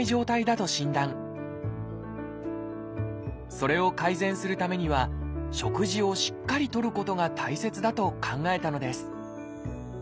それを改善するためには食事をしっかりとることが大切だと考えたのです。